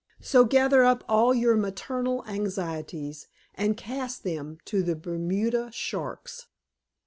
So gather up all your maternal anxieties and cast them to the Bermuda sharks.